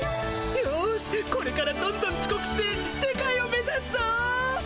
よしこれからどんどんちこくして世界をめざすぞ！